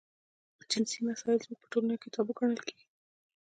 جنسي مسایل زموږ په ټولنه کې تابو ګڼل کېږي.